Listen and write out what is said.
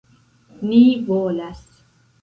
Ni volas.